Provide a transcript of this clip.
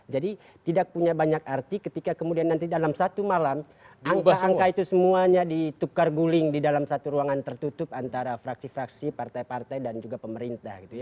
jadi tidak punya banyak arti ketika kemudian nanti dalam satu malam angka angka itu semuanya ditukar guling di dalam satu ruangan tertutup antara fraksi fraksi partai partai dan juga pemerintah gitu ya